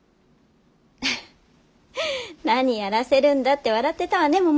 フフッ何やらせるんだって笑ってたわね